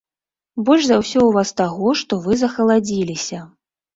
Больш за ўсё ў вас таго, што вы захаладзіліся.